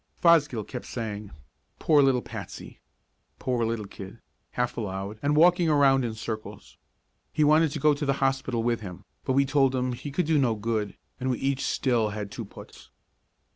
Fosgill kept saying "Poor little Patsy! Poor little kid!" half aloud and walking around in circles. He wanted to go to the hospital with him, but we told him he could do no good, and we each still had two puts.